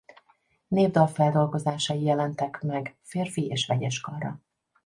Népdalfeldolgozásai jelentek meg férfi- és vegyeskarra.